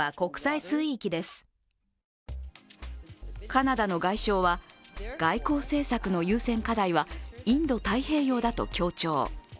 カナダの外相は、外交政策の優先課題はインド太平洋だと強調。